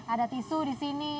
ada tisu di sini